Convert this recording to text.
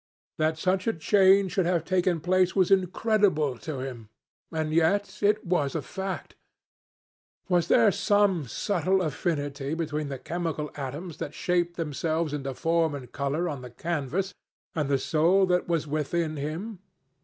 That such a change should have taken place was incredible to him. And yet it was a fact. Was there some subtle affinity between the chemical atoms that shaped themselves into form and colour on the canvas and the soul that was within him?